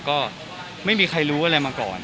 ก็ไม่มีใครรู้อะไรมาก่อน